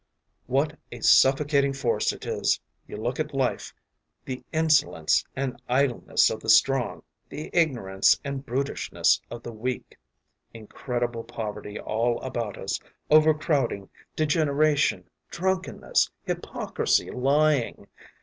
What a suffocating force it is! You look at life: the insolence and idleness of the strong, the ignorance and brutishness of the weak, incredible poverty all about us, overcrowding, degeneration, drunkenness, hypocrisy, lying....